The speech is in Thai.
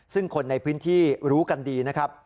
ซึ่งคนในพื้นที่รู้กันดีนะครับ